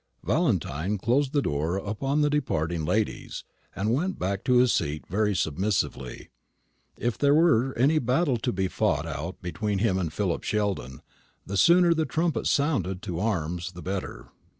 Valentine closed the door upon the departing ladies, and went back to his seat very submissively. If there were any battle to be fought out between him and Philip Sheldon, the sooner the trumpet sounded to arms the better.